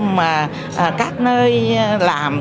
mà các nơi làm